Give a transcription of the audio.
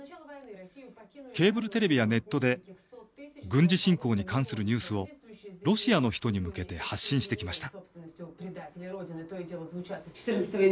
ケーブルテレビやネットで軍事侵攻に関するニュースをロシアの人に向けて発信してきました。